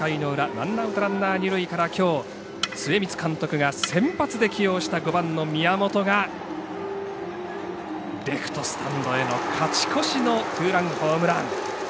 ワンアウト、ランナー、二塁からきょう末光監督が先発で起用した５番の宮本がレフトスタンドへの勝ち越しのツーランホームラン。